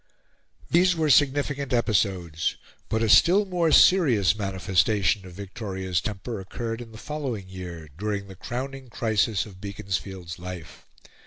These were significant episodes; but a still more serious manifestation of Victoria's temper occurred in the following year, during the crowning crisis of Beaconsfield's life.